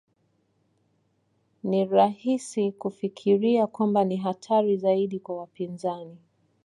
Ni rahisi kufikiria kwamba ni hatari zaidi kwa wapinzani